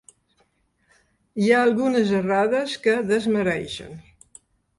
Hi ha algunes errades que desmereixen.